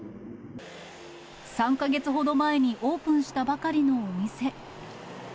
３か月ほど前にオープンしたばかりのお店。